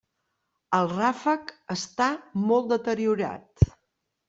El ràfec està molt deteriorat.